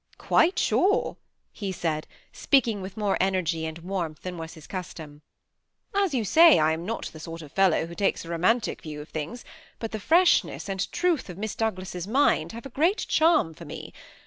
"" Quite sure," he said, speaking with more energy and warmth than was his custom. ^< As you say, I am not the sort of fellow who takes a romantic view of things, but the freshness and truth of Miss Douglas's mind have a great charm for me.